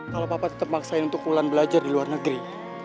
kalau papa tetap maksain untuk pulang belajar di luar negeri